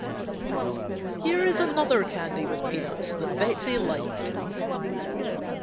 Here is another candy with peanuts that Betsey liked.